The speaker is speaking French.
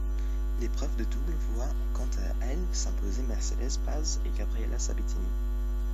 L'épreuve de double voit quant à elle s'imposer Mercedes Paz et Gabriela Sabatini.